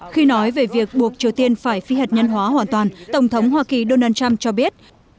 khi nói về việc buộc triều tiên phải phi hạt nhân hóa hoàn toàn tổng thống hoa kỳ donald trump cho biết